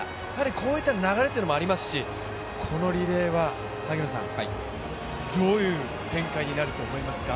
こういった流れというのもありますし、このリレーはどういう展開になると思いますか？